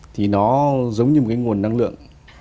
thì nó giống như một cái nguồn năng lượng